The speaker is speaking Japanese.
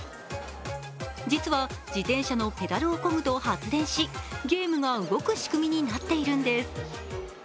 実は、自転車のペダルをこぐと発電しゲームが動く仕組みになっているんです。